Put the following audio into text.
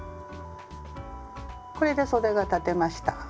これでそでが裁てました。